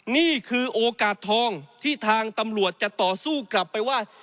นี่คือโอกาสทองที่ทางตำรวจจะต่อสู้กลับไปว่า